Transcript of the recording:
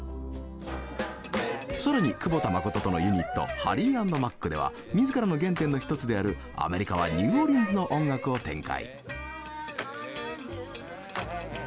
更に久保田麻琴とのユニットハリー＆マックでは自らの原点の一つであるアメリカはニューオーリンズの音楽を展開。